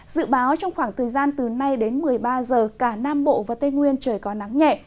dự báo trong khoảng thời gian từ nay đến một mươi ba giờ cả nam bộ và tây nguyên trời có nắng nhẹ